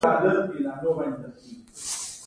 کله چې لاس ور وړو اعصاب مغز ته خبر ورکوي